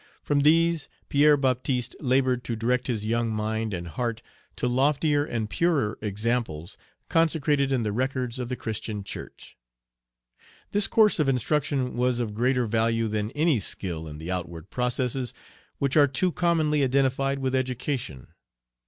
From these Pierre Baptiste labored to direct his young mind and heart to loftier and purer examples consecrated in the records of the Christian church. This course of instruction was of greater value than any skill in the outward processes which are too commonly identified with education.